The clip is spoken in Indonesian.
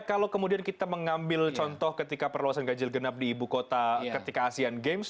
kalau kemudian kita mengambil contoh ketika perluasan ganjil genap di ibu kota ketika asean games